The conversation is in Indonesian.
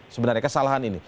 sebenarnya kesalahan ini